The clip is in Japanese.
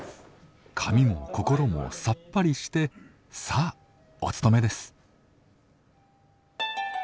髪も心もさっぱりしてさあお勤めです。